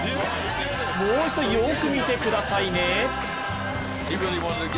もう一度、よーく見てくださいね。